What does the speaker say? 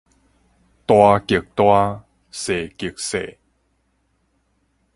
大極大，細極細